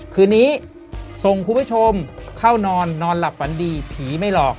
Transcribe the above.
คืนนี้ส่งคุณผู้ชมเข้านอนนอนหลับฝันดีผีไม่หลอก